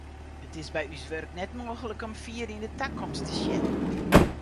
It is by ús wurk net mooglik om fier yn de takomst te sjen.